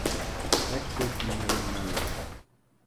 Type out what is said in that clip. Beckwith never married.